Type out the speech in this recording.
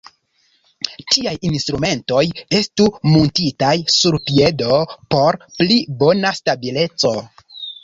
Tiaj instrumentoj estu muntitaj sur piedo por pli bona stabileco.